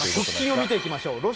側近を見ていきましょう。